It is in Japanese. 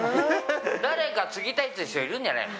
誰か継ぎたいって人、いるんじゃないの？